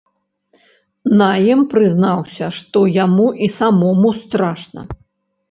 Наем прызнаўся, што яму і самому страшна.